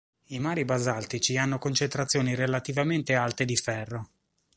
I mari basaltici hanno concentrazioni relativamente alte di ferro.